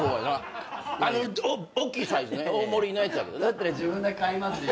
だったら自分で買いますよ。